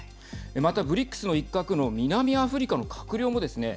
また、ＢＲＩＣＳの一角の南アフリカの閣僚もですね